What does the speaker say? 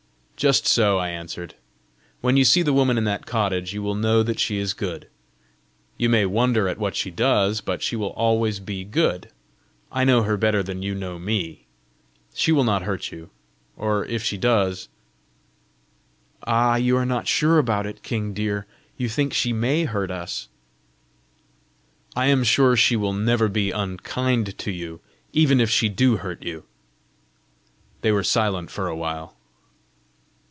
"Just so!" I answered. "When you see the woman in that cottage, you will know that she is good. You may wonder at what she does, but she will always be good. I know her better than you know me. She will not hurt you, or if she does, " "Ah, you are not sure about it, king dear! You think she MAY hurt us!" "I am sure she will never be unkind to you, even if she do hurt you!" They were silent for a while.